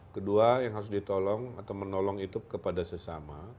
kedua yang harus ditolong atau menolong itu kepada sesama